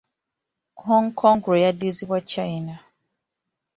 Hong Kong lwe yaddizibwa China.